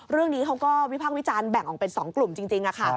เรื่องนี้เขาก็วิพากษ์วิจารณ์แบ่งออกเป็น๒กลุ่มจริงค่ะ